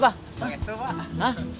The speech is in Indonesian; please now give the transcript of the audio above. pak ria setuh pak